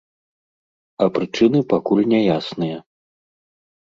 А прычыны пакуль няясныя.